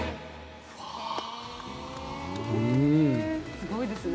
すごいですね。